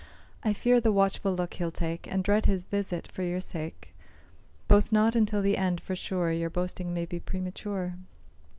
I fear the watchful look he'll take, And dread his visit for your sake; Boast not until the end, for sure Your boasting may be premature."